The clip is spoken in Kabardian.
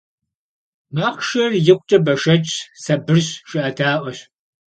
Махъшэр икъукӀэ бэшэчщ, сабырщ, жыӀэдаӀуэщ.